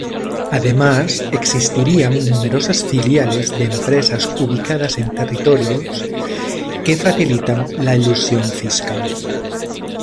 Además, existirían numerosas filiales de empresas ubicadas en territorios que facilitan la elusión fiscal.